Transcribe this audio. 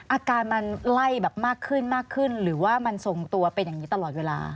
อาการมันไล่แบบมากขึ้นมากขึ้นหรือว่ามันทรงตัวเป็นอย่างนี้ตลอดเวลา